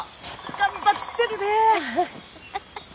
頑張ってるね。